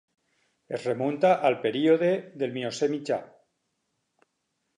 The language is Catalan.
Es remunta al període del Miocè Mitjà.